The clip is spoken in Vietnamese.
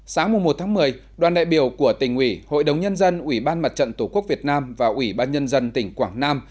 sáng một một mươi đoàn đại biểu của tỉnh ủy hội đồng nhân dân ủy ban mặt trận tổ quốc việt nam và ủy ban nhân dân tỉnh quảng nam